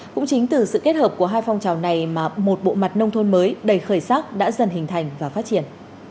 cũng chính từ sự kết hợp của hai phong trào này mà một bộ mặt nông thôn mới đầy khởi sắc đã dần hình thành và phát triển